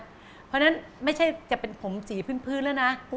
เพราะฉะนั้นไม่ใช่จะเป็นผมสีพื้นแล้วนะ